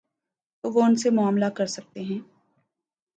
تو وہ ان سے معاملہ کر سکتے ہیں۔